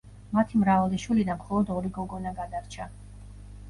მათი მრავალი შვილიდან მხოლოდ ორი გოგონა გადარჩა.